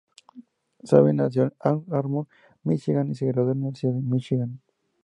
Savage nació en Ann Arbor, Míchigan y se graduó de la Universidad de Michigan.